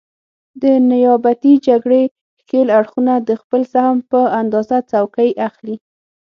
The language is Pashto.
د نیابتي جګړې ښکېل اړخونه د خپل سهم په اندازه څوکۍ اخلي.